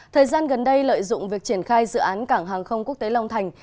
thời gian gần đây lợi dụng việc triển khai dự án cảng hàng không quốc tế long thành